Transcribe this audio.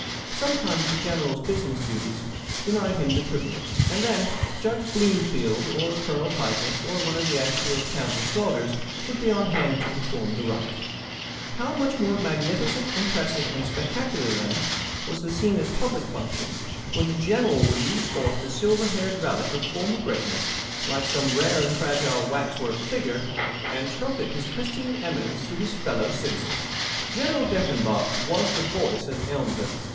Sometimes the General's business duties denied him the privilege, and then Judge Broomfield or Colonel Titus, or one of the Ashford County Slaughters would be on hand to perform the rite. Such were the observances attendant upon the Governor's morning stroll to the post office. How much more magnificent, impressive, and spectacular, then, was the scene at public functions when the General would lead forth the silver haired relic of former greatness, like some rare and fragile waxwork figure, and trumpet his pristine eminence to his fellow citizens! General Deffenbaugh was the Voice of Elmville.